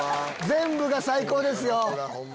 全部が最高ですよ！